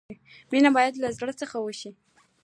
مینه باید لۀ زړۀ څخه وشي.